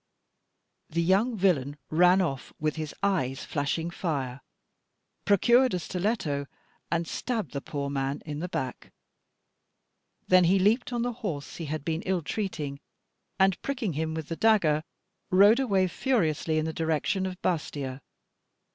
The young villain ran off, with his eyes flashing fire, procured a stiletto, and stabbed the poor man in the back. Then he leaped on the horse he had been ill treating, and pricking him with the dagger, rode away furiously in the direction of Bastia.